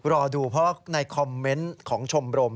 รอดูเพราะในคอมเมนต์ของชมรม